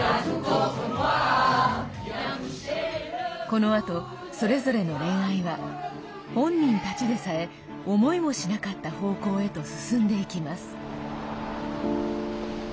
このあと、それぞれの恋愛は本人たちでさえ思いもしなかった方向へと進んでいきます。